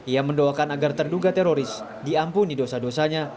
ia mendoakan agar terduga teroris diampuni dosa dosanya